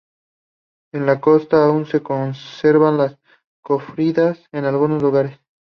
En la costa aún se conservan las cofradías en algunos lugares.